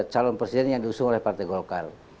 calon presiden yang diusung oleh partai golkar